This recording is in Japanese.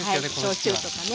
焼酎とかね